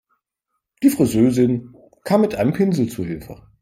Die Friseurin kam mit einem Pinsel zu Hilfe.